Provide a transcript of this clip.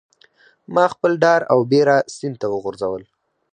ماخپل ډار او بیره سیند ته وغورځول